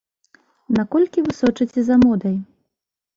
Наколькі вы сочыце за модай?